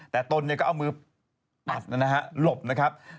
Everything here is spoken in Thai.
แต่ตนก็เอามือปัดนะฮะหลบนะครับ